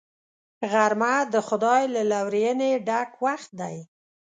غرمه د خدای له لورینې ډک وخت دی